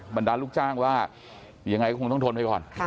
บรรดาลูกจ้างว่ายังไงก็คงต้องทนไปก่อน